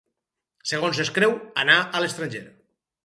Segons es creu, anà a l'estranger.